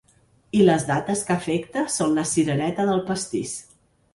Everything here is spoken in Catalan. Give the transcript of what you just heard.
I les dates que afecta són la cirereta del pastís.